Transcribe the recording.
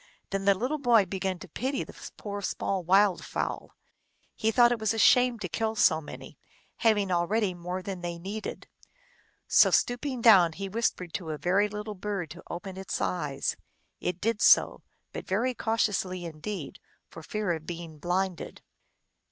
Then the little boy began to pity the poor small wild fowl. He thought it was a shame to kill so many, having al ready more than they needed. So stooping down, he 188 THE ALGONQUIN LEGENDS. whispered to a very little bird to open its eyes. It did so, but very cautiously indeed, for fear of being blinded.